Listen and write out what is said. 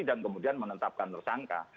dan kemudian menetapkan tersangka